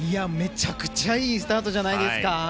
めちゃくちゃいいスタートじゃないですか？